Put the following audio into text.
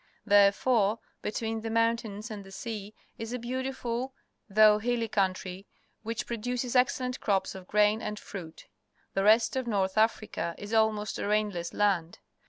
Therefore between the mountains and the sea is a beautiful, though hilly country, which produces excellent crops of graiiL and fruij , The rest of North Africa is almost a rain less land.